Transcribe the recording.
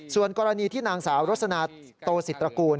ส่วนกรณีที่นางสาวรสนาโตศิตรกูล